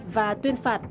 và tuyên phạt